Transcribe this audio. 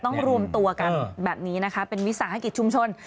รวมตัวกันแบบนี้นะคะเป็นวิสาหกิจชุมชน